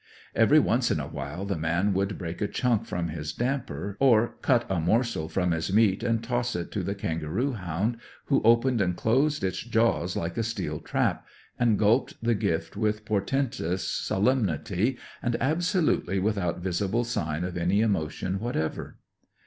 Every once in a while the man would break a chunk from his damper, or cut a morsel from his meat and toss it to the kangaroo hound, who opened and closed its jaws like a steel trap, and gulped the gift with portentous solemnity, and absolutely without visible sign of any emotion whatever.